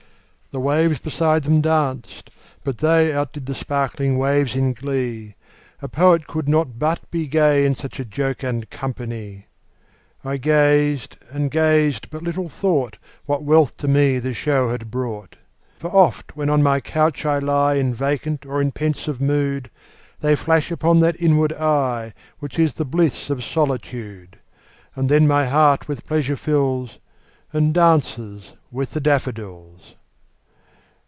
The waves beside them danced; but they Outdid the sparkling waves in glee; A poet could not but be gay, In such a jocund company; I gazed and gazed but little thought What wealth to me the show had brought: For oft, when on my couch I lie In vacant or in pensive mood, They flash upon that inward eye Which is the bliss of solitude; And then my heart with pleasure fills, And dances with the daffodils.